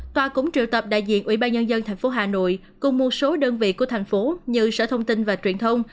tòa cũng triệu tập đại diện ủy ban nhân dân tp hà nội cùng một số đơn vị của thành phố như sở thông tin và truyền thông